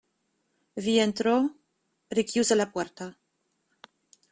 Vi entrò, richiuse la porta.